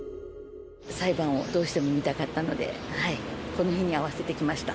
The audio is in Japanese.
裁判をどうしても見たかったので、この日に合わせて来ました。